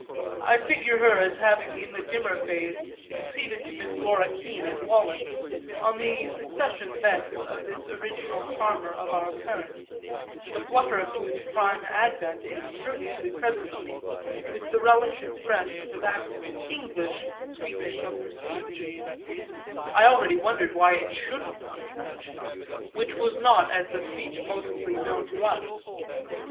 I figure her as having in the dimmer phase succeeded to Miss Laura Keene at Wallack's on the secession thence of this original charmer of our parents, the flutter of whose prime advent is perfectly present to me, with the relish expressed for that "English" sweetness of her speech (I already wondered why it shouldn't be English) which was not as the speech mostly known to us.